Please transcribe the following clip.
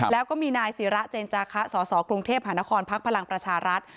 แล้วก็มีนายศิระเจนจาคะสสกรุงเทพฯหานครพักพลังประชารัฐ